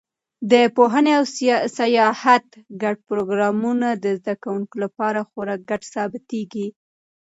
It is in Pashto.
د پوهنې او سیاحت ګډ پروګرامونه د زده کوونکو لپاره خورا ګټور ثابتېږي.